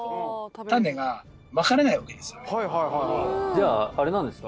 じゃああれなんですか？